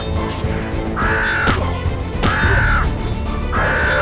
kau mesin kasih